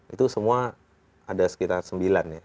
itu semua ada sekitar sembilan ya